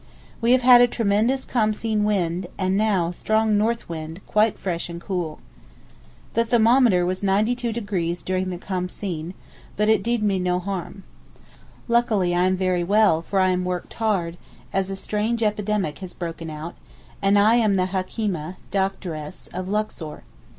We have had a tremendous Khamseen wind, and now a strong north wind quite fresh and cool. The thermometer was 92° during the Khamseen, but it did me no harm. Luckily I am very well for I am worked hard, as a strange epidemic has broken out, and I am the Hakeemeh (doctress) of Luxor.